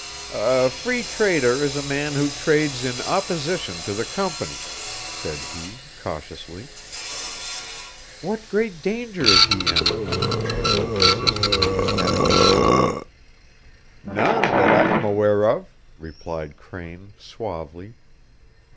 "A Free Trader is a man who trades in opposition to the Company," said he, cautiously. "What great danger is he in?" the girl persisted with her catechism. "None that I am aware of," replied Crane, suavely.